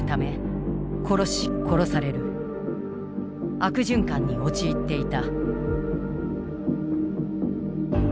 悪循環に陥っていた。